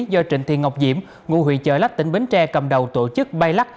do trịnh thị ngọc diễm ngụ huyện chợ lách tỉnh bến tre cầm đầu tổ chức bay lắc